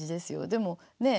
でもねえ？